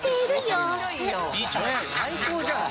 最高じゃん！